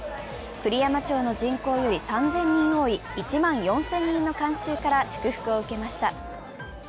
栗山町の人口より３０００人多い１万４０００人の観衆から祝福を受けました。